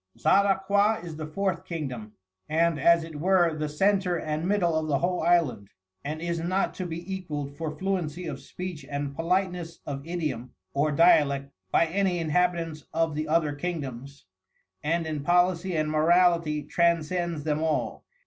Xaraqua is the Fourth Kingdom, and as it were the Centre and Middle of the whole Island, and is not to be equalled for fluency of Speech and politeness of Idiom or Dialect by any Inhabitants of the other Kingdoms, and in Policy and Morality transcends them all.